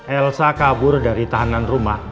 elsa kabur dari tahanan rumah